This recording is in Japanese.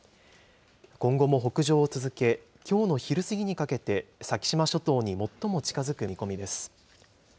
今後も北上を続け、きょうの昼過ぎにかけて、先島諸島に最も近づく見込みです。